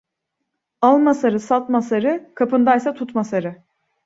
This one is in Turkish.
Alma sarı, satma sarı, kapındaysa tutma sarı.